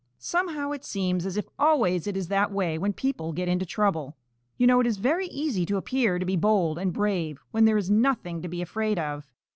Somehow it seems as if always it is that way when people get into trouble. You know it is very easy to appear to be bold and brave when there is nothing to be afraid of.